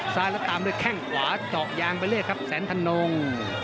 ซ้ายแล้วตามด้วยแข้งขวาเจาะยางไปเรื่อยครับแสนธนง